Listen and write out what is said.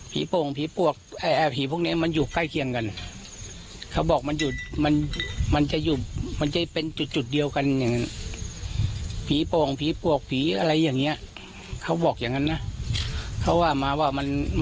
ผีโป่งผีปวกแอ่ผีพวกนี้มันอยู่ใกล้เคียงกัน